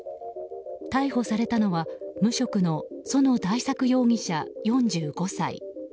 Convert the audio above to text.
逮捕されたのは無職の薗大作容疑者、４５歳。